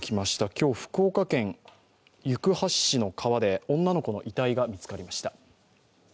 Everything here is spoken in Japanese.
今日、福岡県行橋市の川で女の子の遺体が見つかりました。